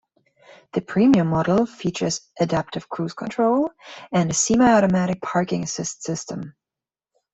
The Premium model features adaptive cruise control and a semi-automatic parking assist system.